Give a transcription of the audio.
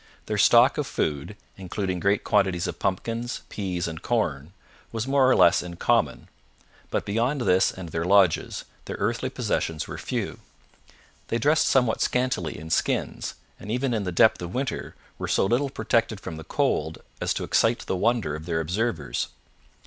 Their stock of food including great quantities of pumpkins, peas, and corn was more or less in common. But, beyond this and their lodges, their earthly possessions were few. They dressed somewhat scantily in skins, and even in the depth of winter were so little protected from the cold as to excite the wonder of their observers.